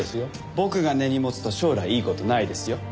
僕が根に持つと将来いい事ないですよ。